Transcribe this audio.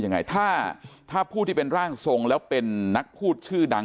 ยังไงถ้าถ้าผู้ที่เป็นร่างทรงแล้วเป็นนักพูดชื่อดัง